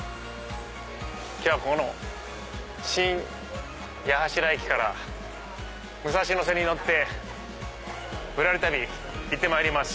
今日はこの新八柱駅から武蔵野線に乗ってぶらり旅行ってまいります。